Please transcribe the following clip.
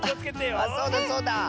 あっそうだそうだ！